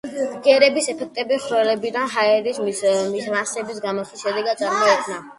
ბგერების ეფექტები ხვრელებიდან ჰაერის მასების გამოსვლის შედეგად წარმოიქმნება.